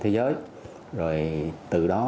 thế giới rồi từ đó